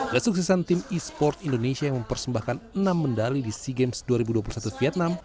kesuksesan tim e sports indonesia yang mempersembahkan enam medali di sea games dua ribu dua puluh satu vietnam